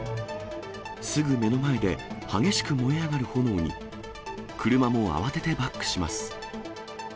すぐ目の前で激しく燃え上がる炎に、車も慌ててバックします。